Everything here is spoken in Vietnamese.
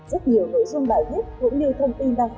rất nhiều nội dung bài viết cũng như thông tin đăng ký